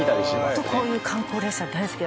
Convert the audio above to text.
ホントこういう観光列車大好き。